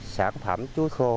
sản phẩm chuối khô